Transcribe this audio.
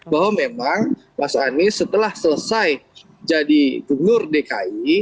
bahwa memang mas anies setelah selesai jadi gubernur dki